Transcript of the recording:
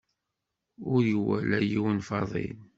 Ur iwala yiwen Faḍil.